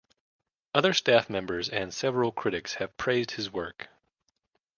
Other staff members and several critics have praised his work.